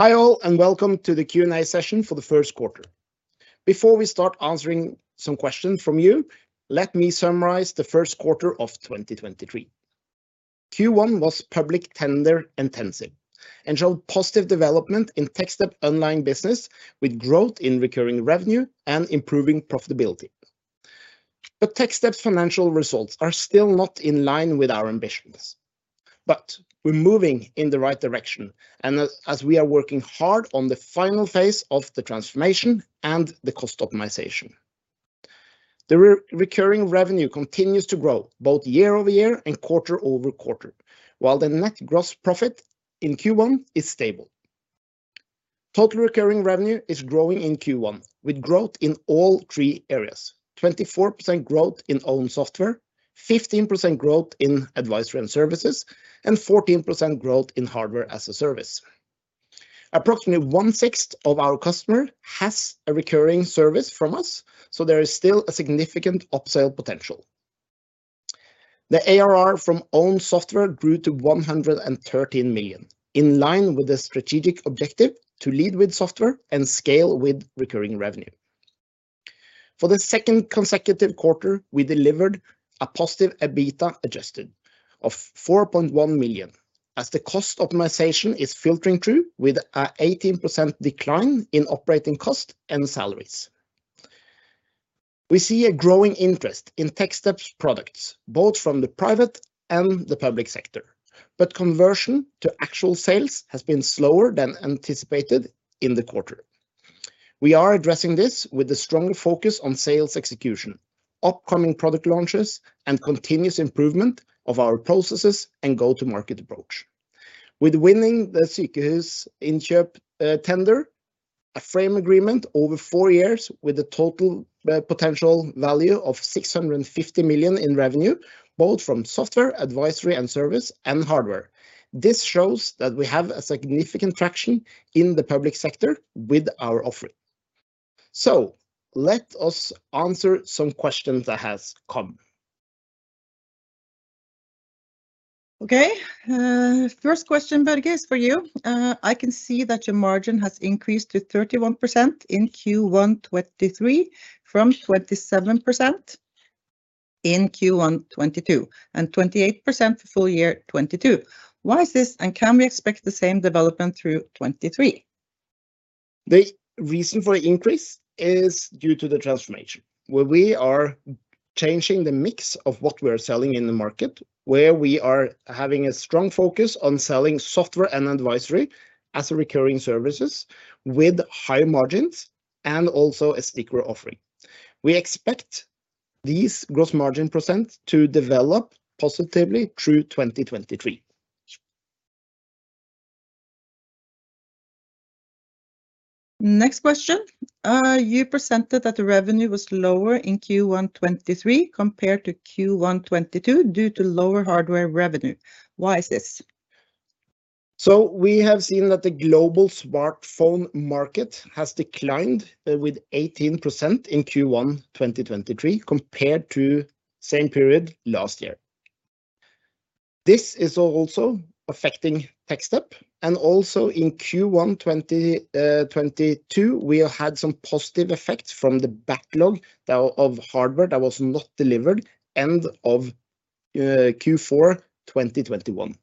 Hi all, welcome to the Q&A session for the first quarter. Before we start answering some questions from you, let me summarize the first quarter of 2023. Q1 was public tender intensive, and showed positive development in Techstep online business, with growth in recurring revenue and improving profitability. Techstep's financial results are still not in line with our ambitions, but we're moving in the right direction. As we are working hard on the final phase of the transformation and the cost optimization. The recurring revenue continues to grow, both year-over-year and quarter-over-quarter, while the net gross profit in Q1 is stable. Total recurring revenue is growing in Q1, with growth in all three areas: 24% growth in own software, 15% growth in advisory and services, and 14% growth in Hardware as a Service. Approximately one-sixth of our customer has a recurring service from us, there is still a significant upsell potential. The ARR from own software grew to 113 million, in line with the strategic objective to lead with software and scale with recurring revenue. For the second consecutive quarter, we delivered a positive Adjusted EBITDA of 4.1 million, as the cost optimization is filtering through, with a 18% decline in operating cost and salaries. We see a growing interest in Techstep's products, both from the private and the public sector, conversion to actual sales has been slower than anticipated in the quarter. We are addressing this with a stronger focus on sales execution, upcoming product launches, and continuous improvement of our processes and go-to-market approach. With winning the Sykehusinnkjøp tender, a frame agreement over 4 years with the total potential value of 650 million in revenue, both from software, advisory and service, and hardware. This shows that we have a significant traction in the public sector with our offering. Let us answer some questions that has come. Okay. first question, Berge, is for you. I can see that your margin has increased to 31% in Q1 2023, from 27% in Q1 2022, and 28% for full year 2022. Why is this, and can we expect the same development through 2023? The reason for increase is due to the transformation, where we are changing the mix of what we're selling in the market, where we are having a strong focus on selling software and advisory as a recurring services with higher margins and also a sticker offering. We expect these gross margin % to develop positively through 2023. Next question. You presented that the revenue was lower in Q1 2023 compared to Q1 2022 due to lower hardware revenue. Why is this? We have seen that the global smartphone market has declined with 18% in Q1 2023 compared to same period last year. This is also affecting Techstep, and also in Q1 2022, we had some positive effects from the backlog that, of hardware that was not delivered end of Q4 2021.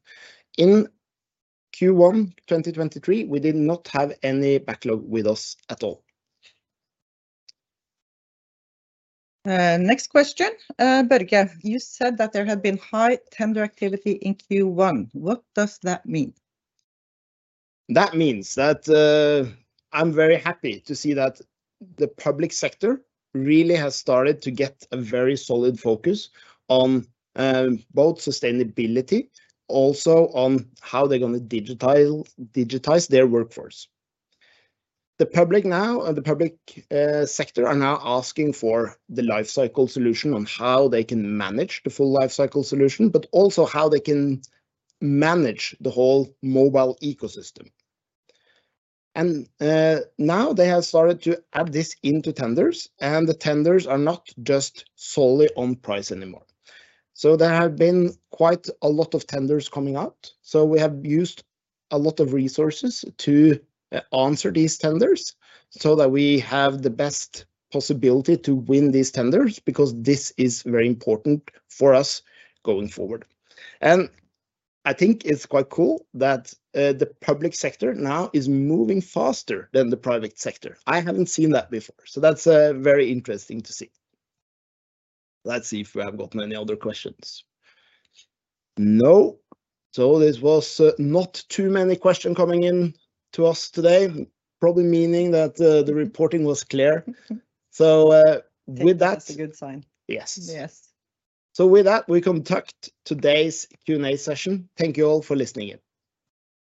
In Q1 2023, we did not have any backlog with us at all. Next question, Berge. You said that there had been high tender activity in Q1. What does that mean? That means that I'm very happy to see that the public sector really has started to get a very solid focus on both sustainability, also on how they're gonna digitize their workforce. The public now, or the public sector are now asking for the Lifecycle Solution on how they can manage the full Lifecycle Solution, but also how they can manage the whole mobile ecosystem. Now they have started to add this into tenders, and the tenders are not just solely on price anymore. There have been quite a lot of tenders coming out, so we have used a lot of resources to answer these tenders so that we have the best possibility to win these tenders, because this is very important for us going forward. I think it's quite cool that the public sector now is moving faster than the private sector. I haven't seen that before, so that's very interesting to see. Let's see if we have got any other questions. No. This was not too many question coming in to us today, probably meaning that the reporting was clear. With that- I think that's a good sign. Yes. Yes. With that, we conduct today's Q&A session. Thank you all for listening in.